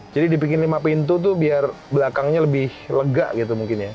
jadi dipikirin lima pintu tuh biar belakangnya lebih lega gitu mungkin ya